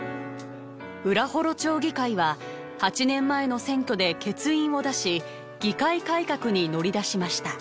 浦幌町議会は８年前の選挙で欠員を出し議会改革に乗り出しました。